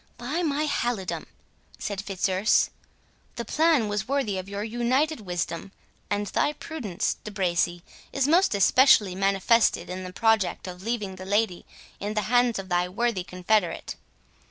"By my halidome," said Fitzurse, "the plan was worthy of your united wisdom! and thy prudence, De Bracy, is most especially manifested in the project of leaving the lady in the hands of thy worthy confederate.